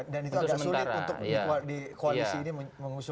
dan itu agak sulit untuk di koalisi ini mengusung ibu risma